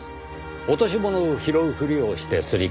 落とし物を拾うふりをしてすり替える。